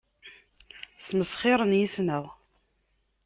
Smesxiren yes-neɣ.